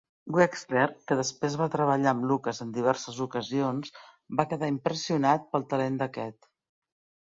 Wexler, que després va treballar amb Lucas en diverses ocasions, va quedar impressionat pel talent d'aquest.